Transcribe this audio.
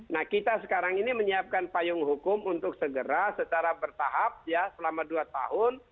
nah kita sekarang ini menyiapkan payung hukum untuk segera secara bertahap ya selama dua tahun